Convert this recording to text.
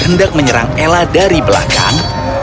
hendak menyerang ella dari belakang